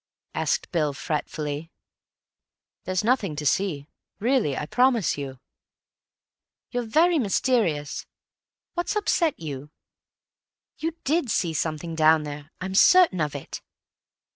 asked Bill fretfully. "There's nothing to see, really, I promise you." "You're very mysterious. What's upset you? You did see something down there, I'm certain of it."